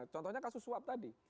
contohnya kasus swab tadi